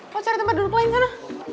lo cari tempat duduk lain sana